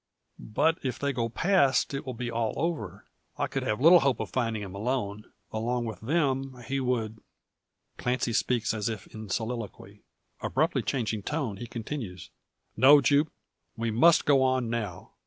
"But if they go past, it will be all over. I could have little hope of finding him alone. Along with them he would " Clancy speaks as if in soliloquy. Abruptly changing tone, he continues: "No, Jupe; we must go on, now.